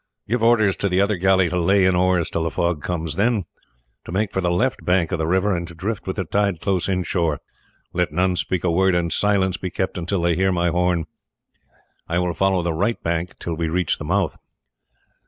Give orders to the other galley to lay in oars till the fog comes, then to make for the left bank of the river and to drift with the tide close inshore. Let none speak a word, and silence be kept until they hear my horn. I will follow the right bank till we reach the mouth."